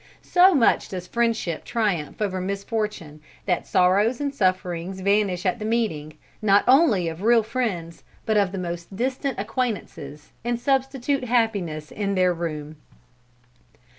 So much does friendship triumph over misfortune, that sorrows and sufferings vanish at the meeting, not only of real friends, but of the most distant acquaintances, and substitute happiness in their room."